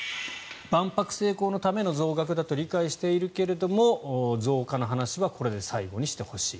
万博成功のための増額だと理解しているけれども増加の話はこれで最後にしてほしい。